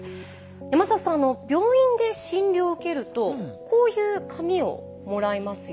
山里さん病院で診療を受けるとこういう紙をもらいますよね。